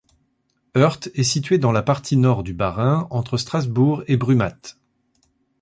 Hœrdt est située dans la partie nord du Bas-Rhin entre Strasbourg et Brumath.